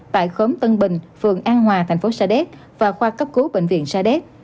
tại khóm tân bình phường an hòa thành phố sa đéc và khoa cấp cứu bệnh viện sa đéc